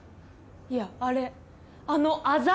いやあれあのアザ！